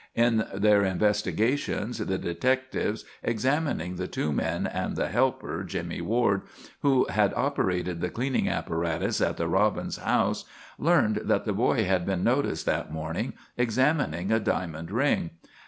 In their investigations the detectives, examining the two men and the helper, Jimmie Ward, who had operated the cleaning apparatus at the Robbins house, learned that the boy had been noticed that morning examining a diamond ring.